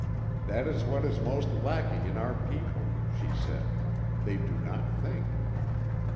"That is what is most lacking in our people," she said, "they do not think."